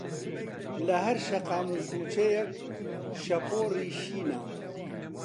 لەهەر شەقام و کووچەیەک شەپۆڕی شینە